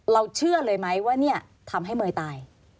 เชื่อเลยไหมว่าเนี่ยทำให้เมย์ตาย